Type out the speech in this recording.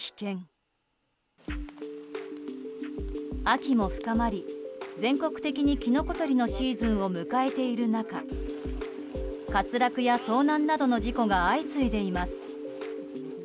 秋も深まり、全国的にキノコ採りのシーズンを迎えている中滑落や遭難などの事故が相次いでいます。